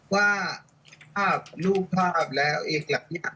ว่าภาพลูกภาพแล้วอีกละแบบเนี่ย